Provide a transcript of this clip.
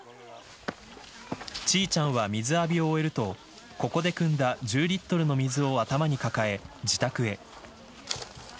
チーチャンは水浴びを終えるとここでくんだ１０リットルの水を頭に抱え自宅へ。